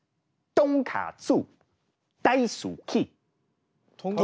とんかつ。